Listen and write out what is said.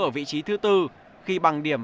ở vị trí thứ bốn khi bằng điểm